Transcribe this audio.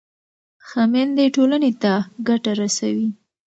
ښه میندې ټولنې ته ګټه رسوي.